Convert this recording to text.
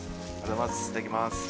いただきます。